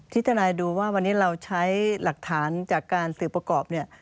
ทนายดูว่าวันนี้เราใช้หลักฐานจากการสืบประกอบเนี่ย